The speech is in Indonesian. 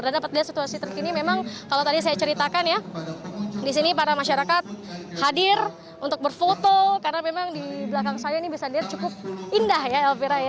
dan dapat lihat situasi terkini memang kalau tadi saya ceritakan ya disini para masyarakat hadir untuk berfoto karena memang di belakang saya ini bisa dilihat cukup indah ya elvira